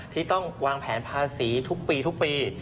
ที่ต้องวางแผนภาษีทุกปีทุกปี